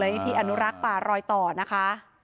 พลเอกประวิทธิ์อนุรักษ์ป่ารอยต่อนะคะ